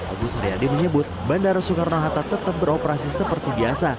agus haryadi menyebut bandara soekarno hatta tetap beroperasi seperti biasa